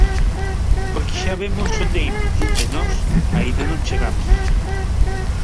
Porque xa vemos onde imos e nós aínda non chegamos.